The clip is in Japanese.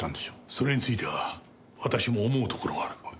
それについては私も思うところがある。